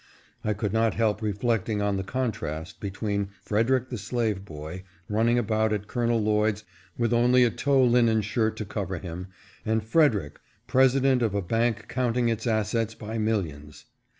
I could not help reflecting on the contrast between Frederick the slave boy, running about at Col. Lloyd's with only a tow linen shirt to cover him, and Frederick — President of a bank counting its assets by millions.